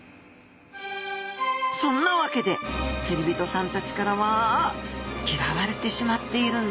そんな訳で釣り人さんたちからは嫌われてしまっているんです